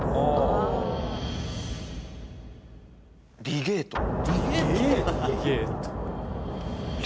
リゲート！？